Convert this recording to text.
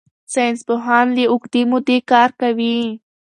ساینسپوهان له اوږدې مودې کار کوي.